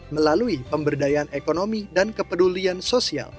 melalui pemberdayaan ekonomi dan kepedulian sosial